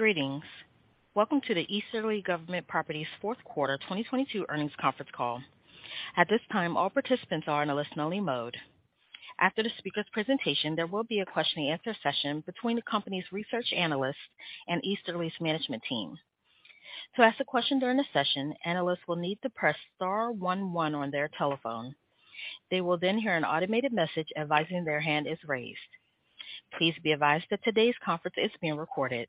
Greetings. Welcome to the Easterly Government Properties Fourth Quarter 2022 Earnings Conference Call. At this time, all participants are in a listen only mode. After the speaker's presentation, there will be a question and answer session between the company's research analysts and Easterly's management team. To ask a question during the session, analysts will need to press star one one on their telephone. They will hear an automated message advising their hand is raised. Please be advised that today's conference is being recorded.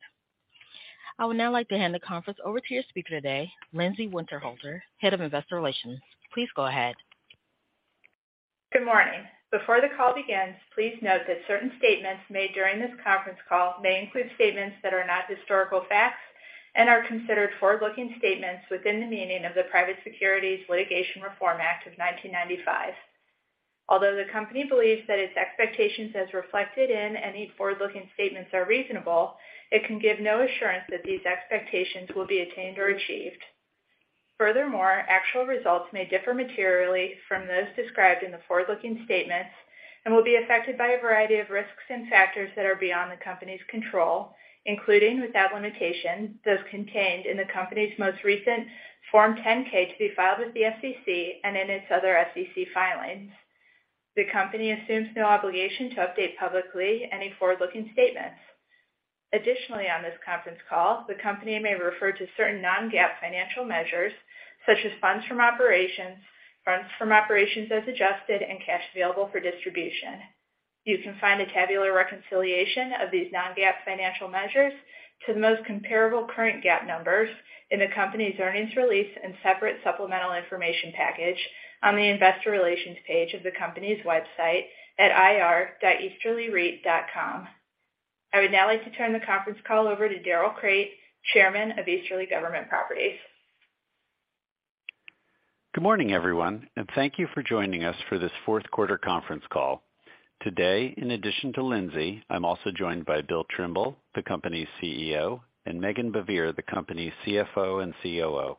I would now like to hand the conference over to your speaker today, Lindsay Winterhalter, Head of Investor Relations. Please go ahead. Good morning. Before the call begins, please note that certain statements made during this conference call may include statements that are not historical facts and are considered forward-looking statements within the meaning of the Private Securities Litigation Reform Act of 1995. Although the company believes that its expectations, as reflected in any forward-looking statements are reasonable, it can give no assurance that these expectations will be attained or achieved. Furthermore, actual results may differ materially from those described in the forward-looking statements and will be affected by a variety of risks and factors that are beyond the company's control, including, without limitation, those contained in the company's most recent Form 10-K to be filed with the SEC and in its other SEC filings. The company assumes no obligation to update publicly any forward-looking statements. Additionally, on this conference call, the company may refer to certain non-GAAP financial measures such as Funds From Operations, Funds From Operations as Adjusted, and cash available for distribution. You can find a tabular reconciliation of these non-GAAP financial measures to the most comparable current GAAP numbers in the company's earnings release and separate supplemental information package on the investor relations page of the company's website at ir.easterlyreit.com. I would now like to turn the conference call over to Darrell Crate, Chairman of Easterly Government Properties. Good morning, everyone, thank you for joining us for this fourth quarter conference call. Today, in addition to Lindsay, I'm also joined by Bill Trimble, the company's CEO, and Meghan Baivier, the company's CFO and COO.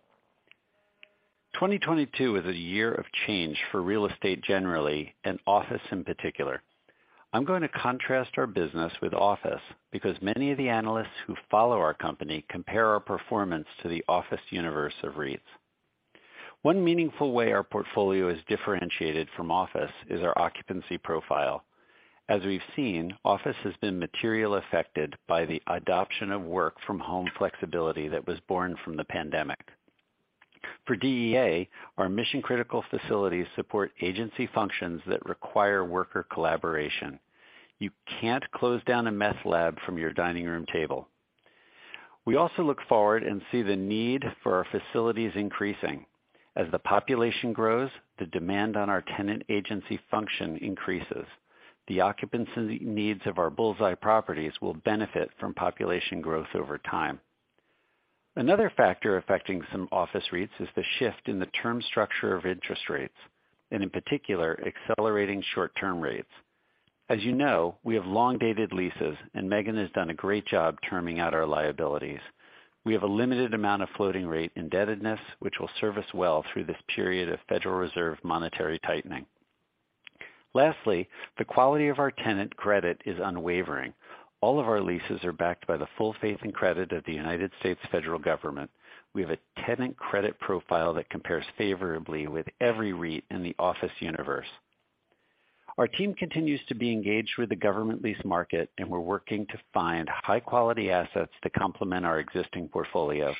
2022 is a year of change for real estate generally, and office in particular. I'm going to contrast our business with office because many of the analysts who follow our company compare our performance to the office universe of REITs. One meaningful way our portfolio is differentiated from office is our occupancy profile. As we've seen, office has been material affected by the adoption of work from home flexibility that was born from the pandemic. For DEA, our mission critical facilities support agency functions that require worker collaboration. You can't close down a meth lab from your dining room table. We also look forward and see the need for our facilities increasing. As the population grows, the demand on our tenant agency function increases. The occupancy needs of our Bullseye Properties will benefit from population growth over time. Another factor affecting some office REITs is the shift in the term structure of interest rates, and in particular, accelerating short term rates. As you know, we have long dated leases, and Meghan has done a great job terming out our liabilities. We have a limited amount of floating rate indebtedness which will serve us well through this period of Federal Reserve monetary tightening. Lastly, the quality of our tenant credit is unwavering. All of our leases are backed by the full faith and credit of the United States federal government. We have a tenant credit profile that compares favorably with every REIT in the office universe. Our team continues to be engaged with the government lease market, and we're working to find high quality assets to complement our existing portfolio.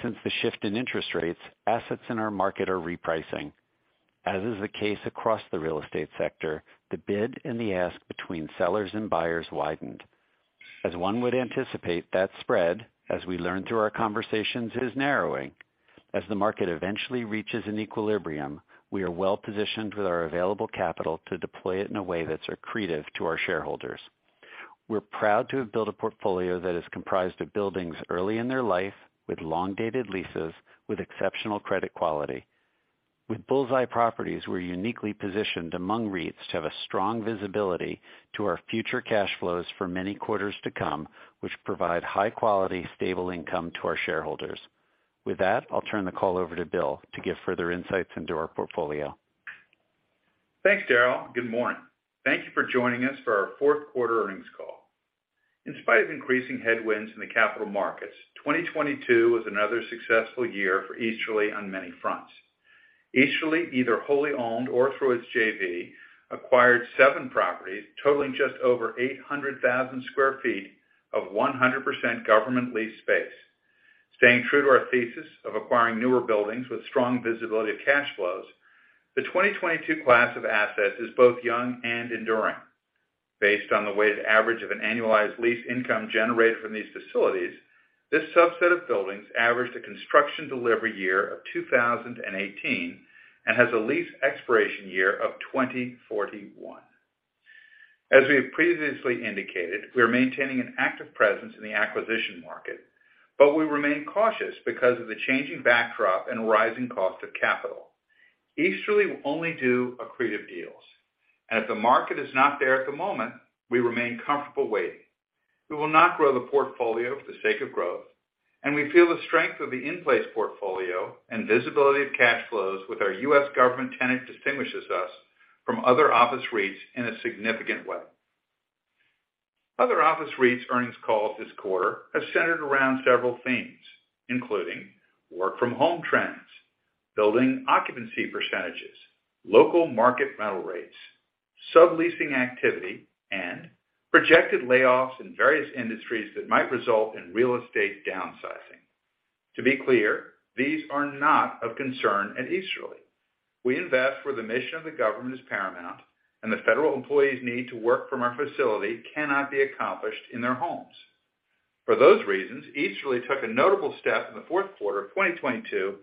Since the shift in interest rates, assets in our market are repricing. As is the case across the real estate sector, the bid and the ask between sellers and buyers widened. As one would anticipate, that spread, as we learn through our conversations, is narrowing. As the market eventually reaches an equilibrium, we are well-positioned with our available capital to deploy it in a way that's accretive to our shareholders. We're proud to have built a portfolio that is comprised of buildings early in their life with long-dated leases with exceptional credit quality. With Bullseye Properties, we're uniquely positioned among REITs to have a strong visibility to our future cash flows for many quarters to come, which provide high quality, stable income to our shareholders. With that, I'll turn the call over to Bill to give further insights into our portfolio. Thanks, Darrell. Good morning. Thank you for joining us for our fourth quarter earnings call. In spite of increasing headwinds in the capital markets, 2022 was another successful year for Easterly on many fronts. Easterly, either wholly owned or through its JV, acquired seven properties totaling just over 800,000 sq ft of 100% government lease space. Staying true to our thesis of acquiring newer buildings with strong visibility of cash flows, the 2022 class of assets is both young and enduring. Based on the weighted average of an annualized lease income generated from these facilities, this subset of buildings averaged a construction delivery year of 2018 and has a lease expiration year of 2041. As we have previously indicated, we are maintaining an active presence in the acquisition market, but we remain cautious because of the changing backdrop and rising cost of capital. Easterly will only do accretive deals, and if the market is not there at the moment, we remain comfortable waiting. We will not grow the portfolio for the sake of growing. We feel the strength of the in-place portfolio and visibility of cash flows with our U.S. Government tenant distinguishes us from other office REITs in a significant way. Other office REITs earnings calls this quarter have centered around several themes, including work from home trends, building occupancy %, local market rental rates, subleasing activity, and projected layoffs in various industries that might result in real estate downsizing. To be clear, these are not of concern at Easterly. We invest where the mission of the government is paramount. The federal employees need to work from our facility cannot be accomplished in their homes. For those reasons, Easterly took a notable step in the fourth quarter of 2022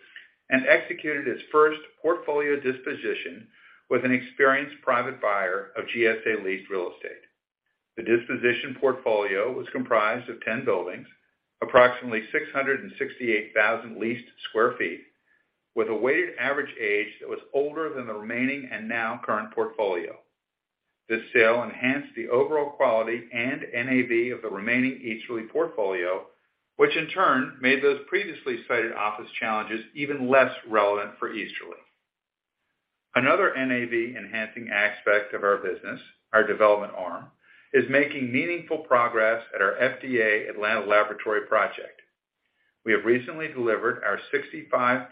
and executed its first portfolio disposition with an experienced private buyer of GSA-leased real estate. The disposition portfolio was comprised of 10 buildings, approximately 668,000 leased sq ft, with a weighted average age that was older than the remaining and now current portfolio. This sale enhanced the overall quality and NAV of the remaining Easterly portfolio, which in turn made those previously cited office challenges even less relevant for Easterly. Another NAV enhancing aspect of our business, our development arm, is making meaningful progress at our FDA Atlanta laboratory project. We have recently delivered our 65%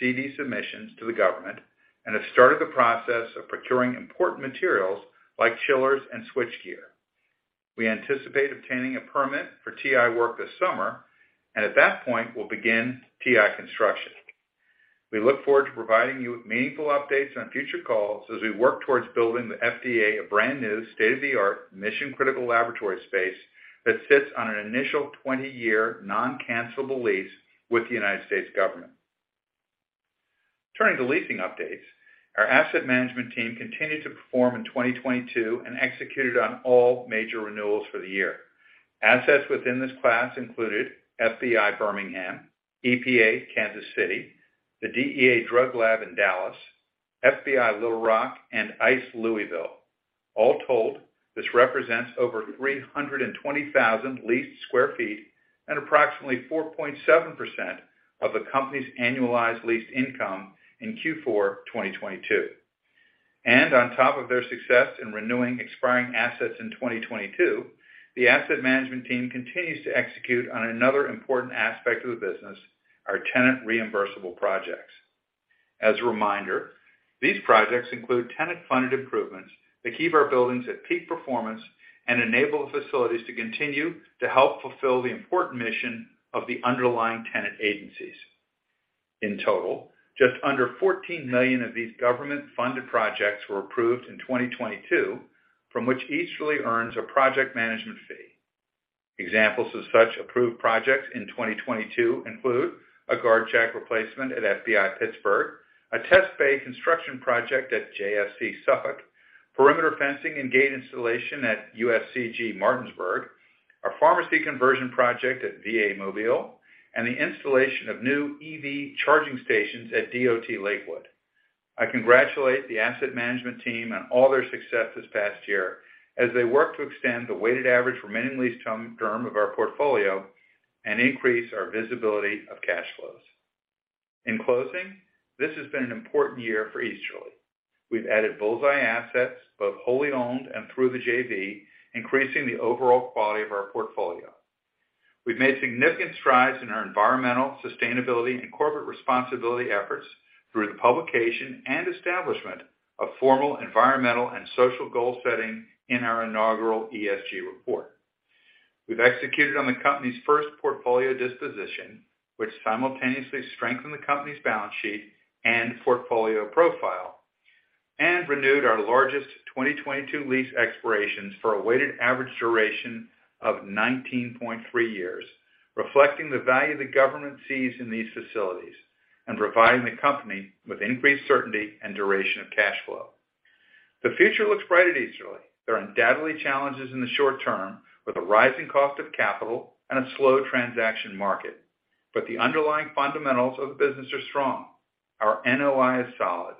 CD submissions to the government and have started the process of procuring important materials like chillers and switchgear. We anticipate obtaining a permit for TI work this summer, and at that point, we'll begin TI construction. We look forward to providing you with meaningful updates on future calls as we work towards building the FDA a brand new state-of-the-art mission-critical laboratory space that sits on an initial 20-year non-cancelable lease with the United States government. Turning to leasing updates, our asset management team continued to perform in 2022 and executed on all major renewals for the year. Assets within this class included FBI Birmingham, EPA Kansas City, the DEA Drug Lab in Dallas, FBI Little Rock, and ICE Louisville. All told, this represents over 320,000 leased square feet and approximately 4.7% of the company's annualized leased income in Q4 2022. On top of their success in renewing expiring assets in 2022, the asset management team continues to execute on another important aspect of the business, our tenant reimbursable projects. As a reminder, these projects include tenant funded improvements that keep our buildings at peak performance and enable the facilities to continue to help fulfill the important mission of the underlying tenant agencies. In total, just under $14 million of these government-funded projects were approved in 2022, from which Easterly earns a project management fee. Examples of such approved projects in 2022 include a guard shack replacement at FBI Pittsburgh, a test bay construction project at JSC Suffolk, perimeter fencing and gate installation at USCG Martinsburg, a pharmacy conversion project at VA Mobile, and the installation of new EV charging stations at DOT Lakewood. I congratulate the asset management team on all their success this past year as they work to extend the weighted average remaining lease term of our portfolio and increase our visibility of cash flows. In closing, this has been an important year for Easterly. We've added Bullseye assets, both wholly owned and through the JV, increasing the overall quality of our portfolio. We've made significant strides in our environmental, sustainability, and corporate responsibility efforts through the publication and establishment of formal environmental and social goal setting in our inaugural ESG report. We've executed on the company's first portfolio disposition, which simultaneously strengthened the company's balance sheet and portfolio profile, and renewed our largest 2022 lease expirations for a weighted average duration of 19.3 years, reflecting the value the Government sees in these facilities and providing the company with increased certainty and duration of cash flow. The future looks bright at Easterly. There are undoubtedly challenges in the short term with a rising cost of capital and a slow transaction market. The underlying fundamentals of the business are strong. Our NOI is solid.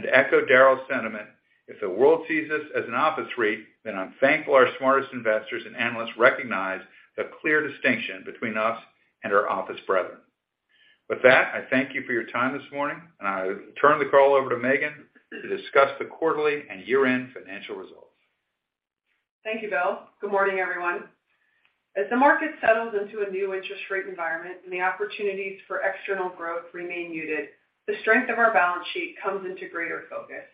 To echo Darrell's sentiment, if the world sees us as an office REIT, then I'm thankful our smartest investors and analysts recognize the clear distinction between us and our office brethren. With that, I thank you for your time this morning, and I turn the call over to Meghan to discuss the quarterly and year-end financial results. Thank you, Bill. Good morning, everyone. As the market settles into a new interest rate environment and the opportunities for external growth remain muted, the strength of our balance sheet comes into greater focus.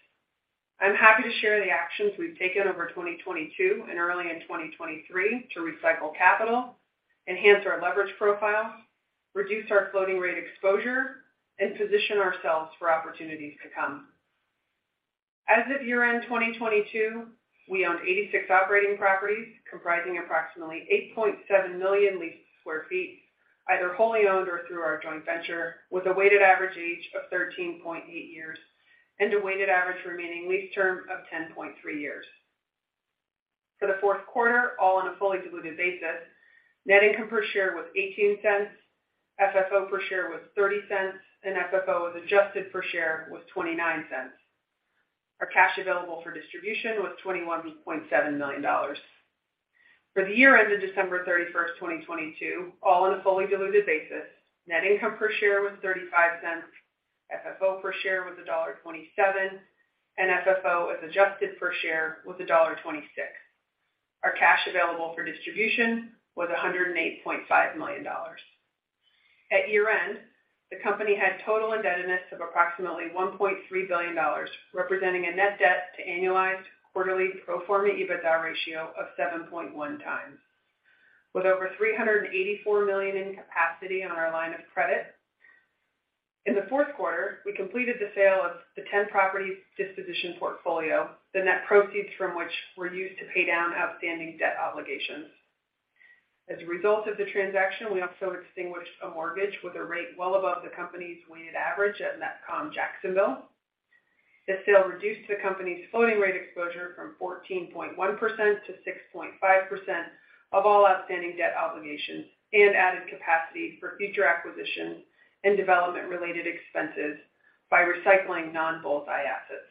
I'm happy to share the actions we've taken over 2022 and early in 2023 to recycle capital, enhance our leverage profile, reduce our floating rate exposure, and position ourselves for opportunities to come. As of year-end 2022, we owned 86 operating properties comprising approximately 8.7 million leased sq ft, either wholly owned or through our joint venture, with a weighted average age of 13.8 years and a weighted average remaining lease term of 10.3 years. For the fourth quarter, all on a fully diluted basis, net income per share was $0.18, FFO per share was $0.30, and FFO as adjusted per share was $0.29. Our cash available for distribution was $21.7 million. For the year ended December 31, 2022, all on a fully diluted basis, net income per share was $0.35, FFO per share was $1.27, and FFO as adjusted per share was $1.26. Our cash available for distribution was $108.5 million. At year-end, the company had total indebtedness of approximately $1.3 billion, representing a Net Debt to Annualized Quarterly Pro Forma EBITDA ratio of 7.1 times. With over $384 million in capacity on our line of credit. In the fourth quarter, we completed the sale of the 10 properties disposition portfolio, the net proceeds from which were used to pay down outstanding debt obligations. As a result of the transaction, we also extinguished a mortgage with a rate well above the company's weighted average at NETCOM Jacksonville. The sale reduced the company's floating rate exposure from 14.1% to 6.5% of all outstanding debt obligations and added capacity for future acquisitions and development related expenses by recycling non-Bullseye assets.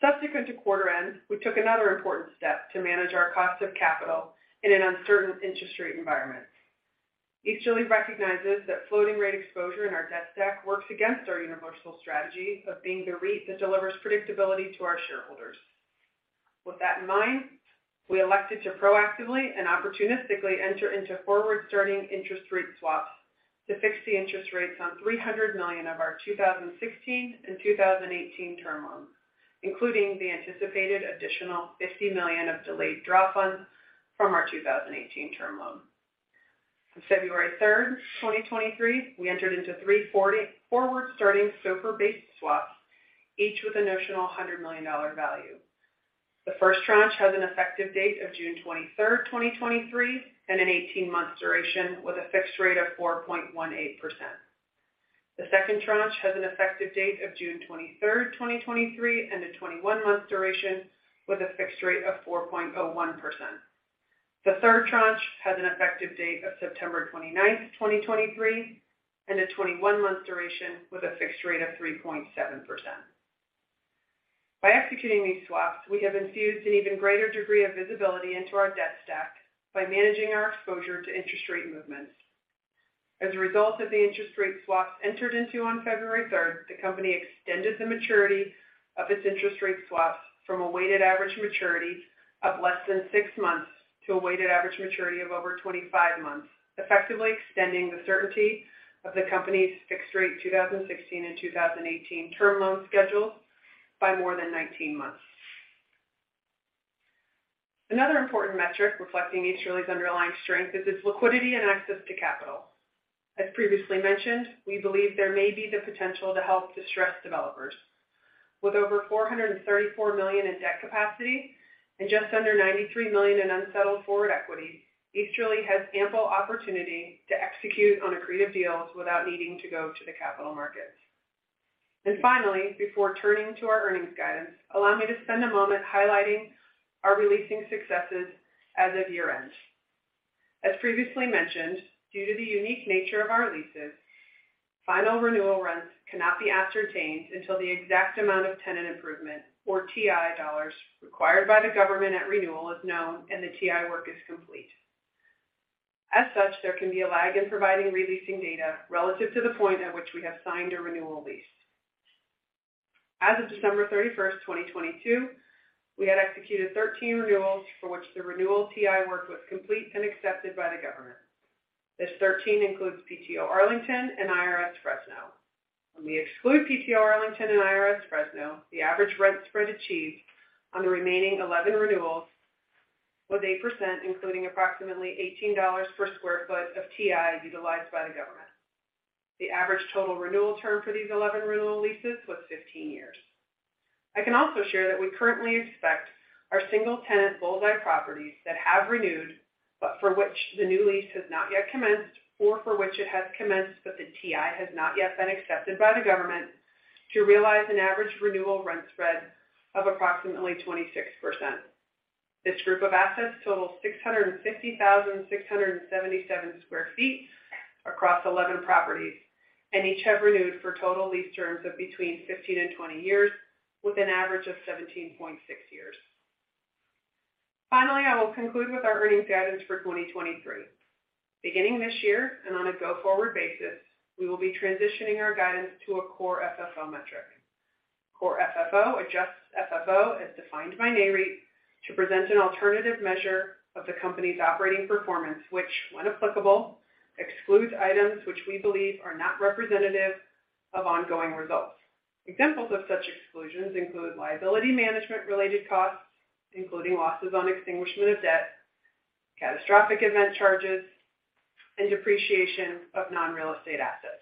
Subsequent to quarter end, we took another important step to manage our cost of capital in an uncertain interest rate environment. Easterly recognizes that floating rate exposure in our debt stack works against our universal strategy of being the REIT that delivers predictability to our shareholders. With that in mind, we elected to proactively and opportunistically enter into forward-starting interest rate swaps to fix the interest rates on $300 million of our 2016 and 2018 term loans, including the anticipated additional $50 million of Delayed Draw Funds from our 2018 term loan. On February 3rd, 2023, we entered into three forward-starting SOFR-based swaps, each with a notional $100 million value. The first tranche has an effective date of June 23rd, 2023, and an 18 months duration with a fixed rate of 4.18%. The second tranche has an effective date of June 23rd, 2023, and a 21 months duration with a fixed rate of 4.01%. The third tranche has an effective date of September 29th, 2023, and a 21 months duration with a fixed rate of 3.7%. By executing these swaps, we have infused an even greater degree of visibility into our debt stack by managing our exposure to interest rate movements. As a result of the interest rate swaps entered into on February 3rd, the company extended the maturity of its interest rate swaps from a weighted average maturity of less than six months to a weighted average maturity of over 25 months, effectively extending the certainty of the company's fixed rate 2016 and 2018 term loan schedule by more than 19 months. Another important metric reflecting Easterly's underlying strength is its liquidity and access to capital. As previously mentioned, we believe there may be the potential to help distressed developers. With over $434 million in debt capacity and just under $93 million in unsettled forward equity, Easterly has ample opportunity to execute on accretive deals without needing to go to the capital markets. Finally, before turning to our earnings guidance, allow me to spend a moment highlighting our re-leasing successes as of year-end. As previously mentioned, due to the unique nature of our leases, final renewal rents cannot be ascertained until the exact amount of tenant improvement, or TI dollars, required by the government at renewal is known and the TI work is complete. As such, there can be a lag in providing re-leasing data relative to the point at which we have signed a renewal lease. As of December 31, 2022, we had executed 13 renewals for which the renewal TI work was complete and accepted by the government. This 13 includes PTO Arlington and IRS Fresno. We exclude PTO Arlington and IRS Fresno, the average rent spread achieved on the remaining 11 renewals was 8%, including approximately $18 per sq ft of TI utilized by the government. The average total renewal term for these 11 renewal leases was 15 years. I can also share that we currently expect our single tenant Bullseye Properties that have renewed, but for which the new lease has not yet commenced or for which it has commenced, but the TI has not yet been accepted by the government to realize an average renewal rent spread of approximately 26%. This group of assets total 660,677 sq ft across 11 properties, and each have renewed for total lease terms of between 15 and 20 years with an average of 17.6 years. I will conclude with our earnings guidance for 2023. Beginning this year and on a go-forward basis, we will be transitioning our guidance to a Core FFO metric. Core FFO adjusts FFO as defined by Nareit to present an alternative measure of the company's operating performance, which, when applicable, excludes items which we believe are not representative of ongoing results. Examples of such exclusions include liability management related costs, including losses on extinguishment of debt, catastrophic event charges, and depreciation of non-real estate assets.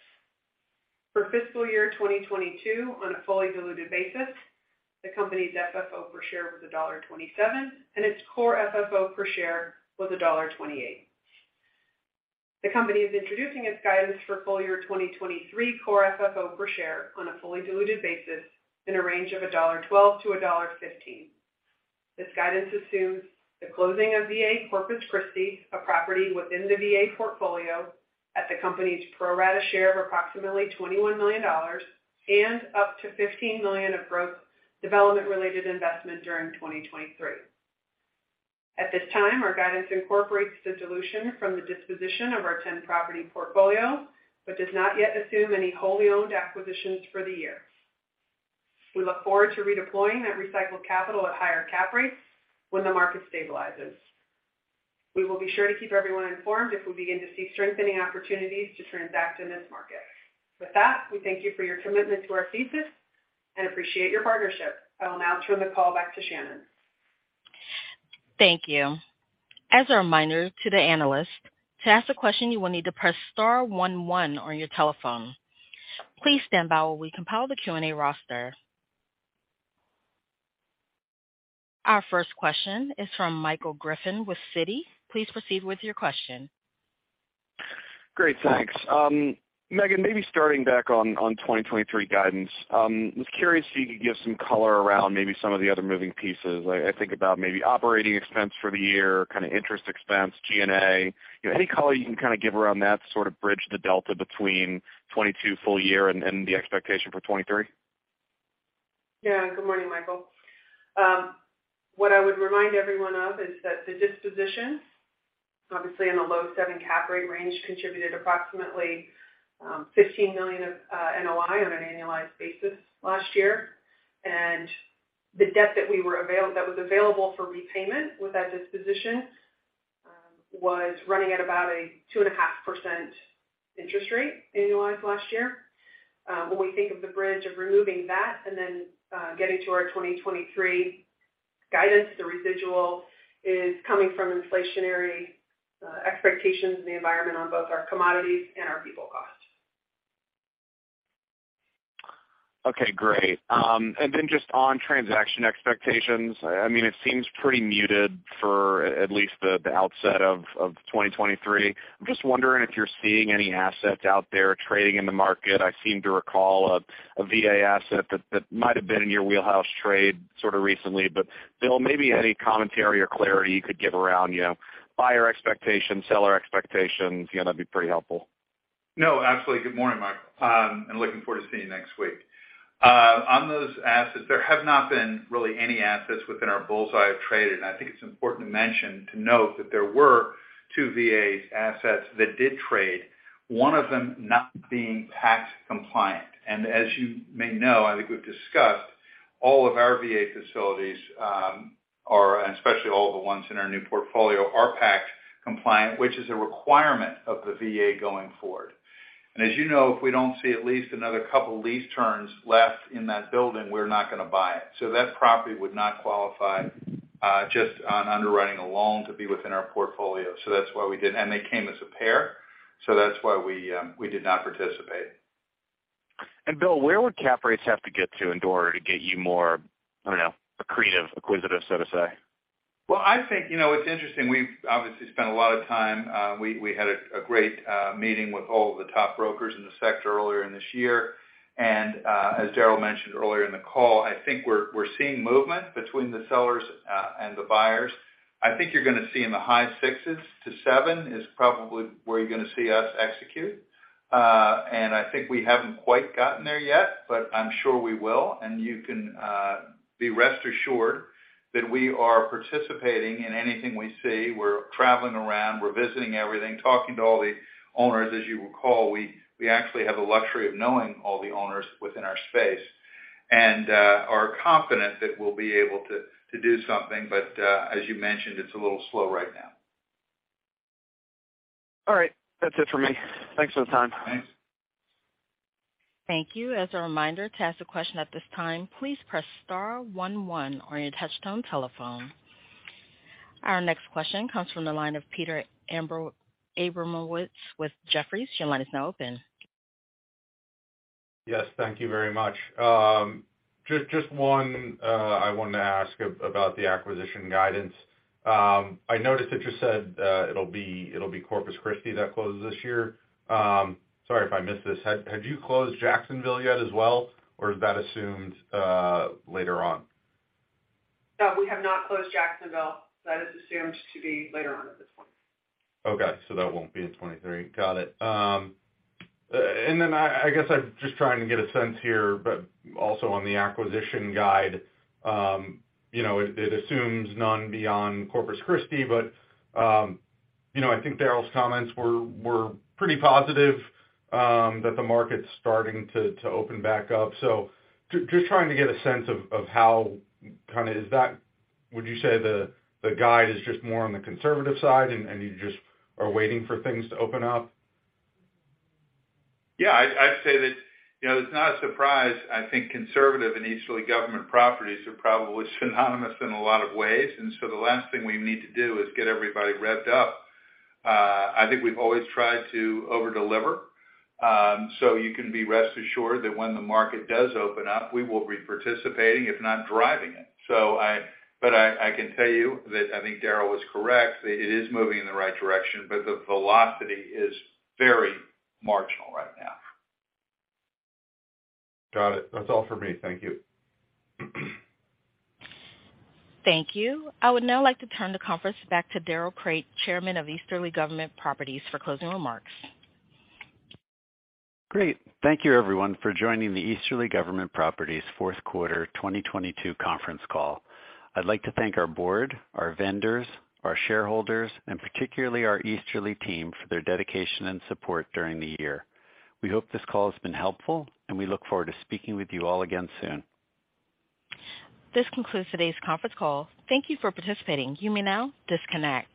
For fiscal year 2022, on a fully diluted basis, the company's FFO per share was $1.27, and its Core FFO per share was $1.28. The company is introducing its guidance for full year 2023 Core FFO per share on a fully diluted basis in a range of $1.12-$1.15. This guidance assumes the closing of VA - Corpus Christi, a property within the VA portfolio, at the company's pro rata share of approximately $21 million and up to $15 million of growth development-related investment during 2023. At this time, our guidance incorporates the dilution from the disposition of our 10-property portfolio, but does not yet assume any wholly owned acquisitions for the year. We look forward to redeploying that recycled capital at higher cap rates when the market stabilizes. We will be sure to keep everyone informed if we begin to see strengthening opportunities to transact in this market. With that, we thank you for your commitment to our thesis and appreciate your partnership. I will now turn the call back to Shannon. Thank you. As a reminder to the analyst, to ask a question, you will need to press star one one on your telephone. Please stand by while we compile the Q&A roster. Our first question is from Michael Griffin with Citi. Please proceed with your question. Great. Thanks. Meghan, maybe starting back on 2023 guidance, was curious if you could give some color around maybe some of the other moving pieces. I think about maybe operating expense for the year, kind of interest expense, G&A. You know, any color you can kind of give around that to sort of bridge the delta between 2022 full year and the expectation for 2023. Good morning, Michael. What I would remind everyone of is that the dispositions, obviously in the low 7 cap rate range, contributed approximately $15 million of NOI on an annualized basis last year. The debt that was available for repayment with that disposition was running at about a 2.5% interest rate annualized last year. When we think of the bridge of removing that and then getting to our 2023 guidance, the residual is coming from inflationary expectations in the environment on both our commodities and our people costs. Okay. Great. Then just on transaction expectations, I mean, it seems pretty muted for at least the outset of 2023. I'm just wondering if you're seeing any assets out there trading in the market. I seem to recall a VA asset that might have been in your wheelhouse trade sort of recently, Bill, maybe any commentary or clarity you could give around, you know, buyer expectations, seller expectations, you know, that'd be pretty helpful. No, absolutely. Good morning, Michael. I'm looking forward to seeing you next week. On those assets, there have not been really any assets within our Bullseye have traded. I think it's important to mention, to note that there were two VA assets that did trade, one of them not being PACT Act compliant. As you may know, I think we've discussed all of our VA facilities are, and especially all of the ones in our new portfolio, are PACT Act compliant, which is a requirement of the VA going forward. As you know, if we don't see at least another couple lease turns left in that building, we're not gonna buy it. That property would not qualify just on underwriting a loan to be within our portfolio. That's why we did. They came as a pair, so that's why we did not participate. Bill, where would cap rates have to get to in order to get you more, I don't know, accretive, acquisitive, so to say? I think, you know, it's interesting. We've obviously spent a lot of time. We had a great meeting with all of the top brokers in the sector earlier in this year. As Darrell mentioned earlier in the call, I think we're seeing movement between the sellers and the buyers. I think you're gonna see in the high 6s-7% is probably where you're gonna see us execute. I think we haven't quite gotten there yet, but I'm sure we will. You can be rest assured that we are participating in anything we see. We're traveling around, we're visiting everything, talking to all the owners. As you recall, we actually have the luxury of knowing all the owners within our space and are confident that we'll be able to do something. As you mentioned, it's a little slow right now. All right. That's it for me. Thanks for the time. Thanks. Thank you. As a reminder, to ask a question at this time, please press star one one on your touch tone telephone. Our next question comes from the line of Peter Abramowitz with Jefferies. Your line is now open. Thank you very much. Just one, I wanted to ask about the acquisition guidance. I noticed it just said, Corpus Christi that closes this year. Sorry if I missed this. Had you closed Jacksonville yet as well, or is that assumed later on? No, we have not closed Jacksonville. That is assumed to be later on at this point. Okay. That won't be in 2023. Got it. I guess I'm just trying to get a sense here, but also on the acquisition guide, you know, it assumes none beyond Corpus Christi. You know, I think Darrell's comments were pretty positive, that the market's starting to open back up. Just trying to get a sense of how kind of is that? Would you say the guide is just more on the conservative side and you just are waiting for things to open up? Yeah, I'd say that, you know, it's not a surprise. I think conservative and Easterly Government Properties are probably synonymous in a lot of ways. The last thing we need to do is get everybody revved up. I think we've always tried to over-deliver. You can be rest assured that when the market does open up, we will be participating, if not driving it. I can tell you that I think Darrell was correct, that it is moving in the right direction, but the velocity is very marginal right now. Got it. That's all for me. Thank you. Thank you. I would now like to turn the conference back to Darrell Crate, Chairman of Easterly Government Properties, for closing remarks. Great. Thank you everyone for joining the Easterly Government Properties fourth quarter 2022 conference call. I'd like to thank our board, our vendors, our shareholders, and particularly our Easterly team for their dedication and support during the year. We hope this call has been helpful, and we look forward to speaking with you all again soon. This concludes today's conference call. Thank you for participating. You may now disconnect.